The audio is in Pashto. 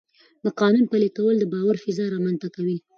د قانون پلي کول د باور فضا رامنځته کوي